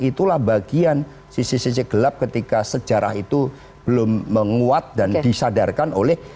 itulah bagian sisi sisi gelap ketika sejarah itu belum menguat dan disadarkan oleh